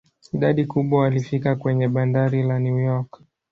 Idadi kubwa walifika kwenye bandari la New York.